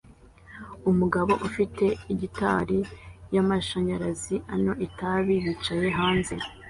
Umugabo ufite gitari yamashanyarazi anywa itabi yicaye hanze